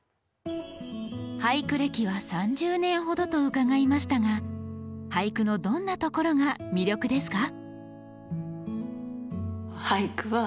俳句歴は３０年ほどと伺いましたが俳句のどんなところが魅力ですか？